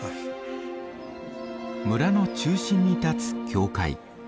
村の中心にたつ教会。